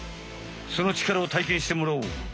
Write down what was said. その力をたいけんしてもらおう。